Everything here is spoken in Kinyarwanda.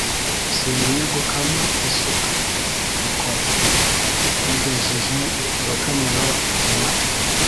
Simenya gukama isuka rukoro, Rugejeje urukamiro mu mavi